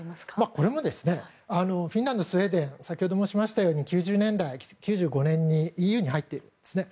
これもフィンランドスウェーデン先ほど申しましたとおり９５年にＥＵに入っていますね。